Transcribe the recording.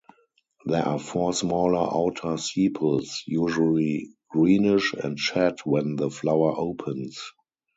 There are four smaller outer sepals, usually greenish and shed when the flower opens.